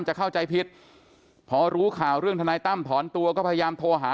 จะเข้าใจผิดพอรู้ข่าวเรื่องทนายตั้มถอนตัวก็พยายามโทรหา